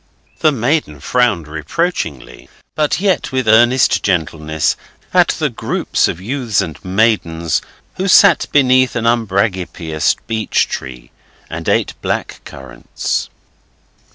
'The maiden frowned reproachingly, but yet with earnest gentleness, at the group of youths and maidens who sat beneath an umbragipeaous beech tree and ate black currants.